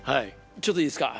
ちょっといいですか。